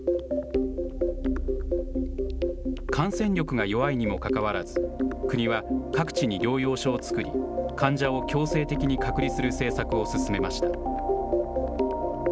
感染力が弱いにもかかわらず、国は各地に療養所を作り、患者を強制的に隔離する政策を進めました。